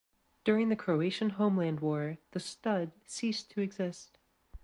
During the Croatian Homeland War the Stud ceased to exist.